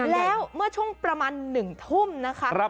แล้วเมื่อช่วงประมาณ๑ทุ่มนะคะ